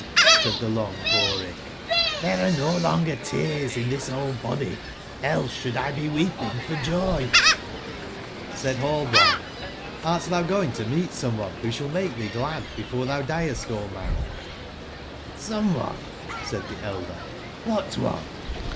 said the Long/hoary; ''there 56 arc no longer tears in this old body, else should 1 be weeping for joy^'j^Said Hallblitbe: '^Hrttbou go ing tomeetsomeonewbosballmaketbee glad before thou diest, old man ?" OfAS one?" said the elder; ''what one